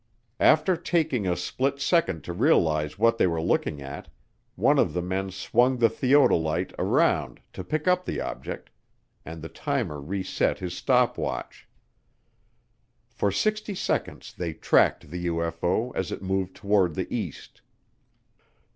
'" After taking a split second to realize what they were looking at, one of the men swung the theodolite around to pick up the object, and the timer reset his stop watch. For sixty seconds they tracked the UFO as it moved toward the east.